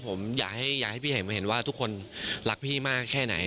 ผมอยากให้พี่เห็นมาเห็นว่าทุกคนรักพี่มากแค่ไหน